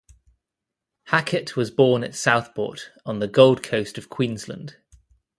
Hackett was born at Southport on the Gold Coast of Queensland.